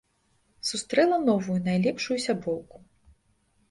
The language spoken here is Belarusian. Сустрэла новую найлепшую сяброўку.